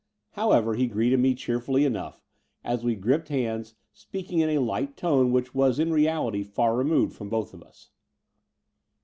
However, he greeted me cheerfully enough, as we gripped hands, speaking in a light tone which was in reality far removed from both of us.